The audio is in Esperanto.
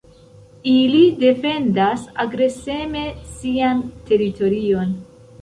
Ili defendas agreseme sian teritorion.